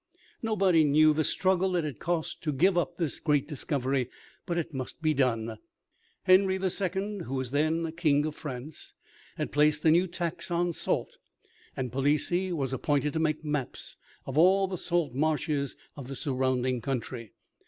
Nobody knew the struggle it had cost to give up the great discovery; but it must be done. Henry II., who was then King of France, had placed a new tax on salt, and Palissy was appointed to make maps of all the salt marshes of the surrounding country.